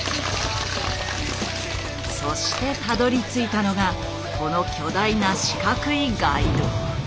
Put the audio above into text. そしてたどりついたのがこの巨大な四角いガイド。